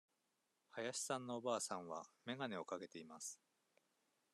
林さんのおばあさんは眼鏡をかけています。